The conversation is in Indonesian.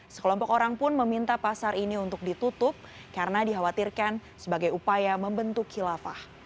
sekelompok orang pun meminta pasar ini untuk ditutup karena dikhawatirkan sebagai upaya membentuk kilafah